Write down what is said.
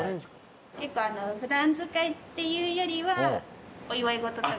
結構普段使いっていうよりはお祝い事とか。